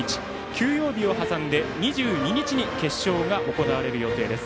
休養日を挟んで２２日に決勝が行われる予定です。